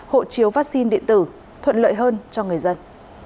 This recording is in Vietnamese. hộ chiếu vaccine điện tử thuận lợi hơn cho người dân